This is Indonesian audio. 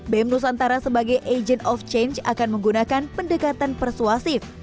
bem nusantara sebagai agent of change akan menggunakan pendekatan persuasif